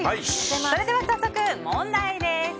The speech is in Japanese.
それでは早速問題です。